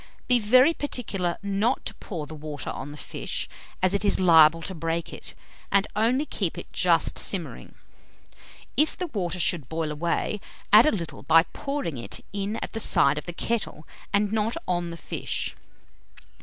Be very particular not to pour the water on the fish, as it is liable to break it, and only keep it just simmering. If the water should boil away, add a little by pouring it in at the side of the kettle, and not on the fish.